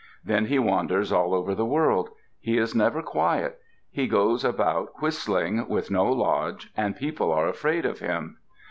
Then he wanders all over the world. He is never quiet. He goes about whistling, with no lodge, and people are afraid of him.